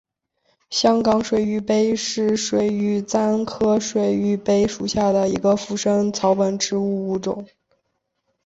香港水玉杯是水玉簪科水玉杯属下的一个腐生草本植物物种。